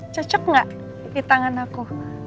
cocok nggak di tangan aku